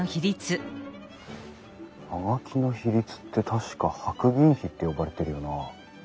葉書の比率って確か白銀比って呼ばれてるよなあ。